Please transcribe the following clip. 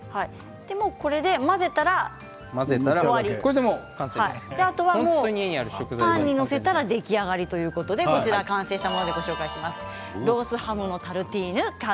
これで混ぜたらパンに載せたら出来上がりということで完成したものでご紹介します。